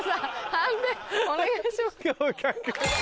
判定お願いします。